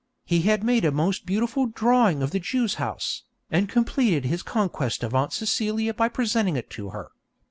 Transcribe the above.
He had made a most beautiful drawing of the Jews' House, and completed his conquest of Aunt Celia by presenting it to her.